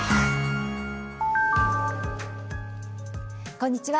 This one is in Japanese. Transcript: こんにちは。